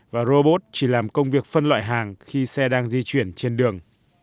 và robot chỉ làm công việc phân loại hàng khi xe đang di chuyển trên đường